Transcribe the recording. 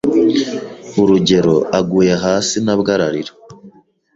urugero aguye hasi nabwo ararira